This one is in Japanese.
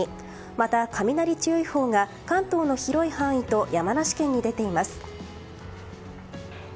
また雷注意報が関東の広い範囲と山梨県に出ています。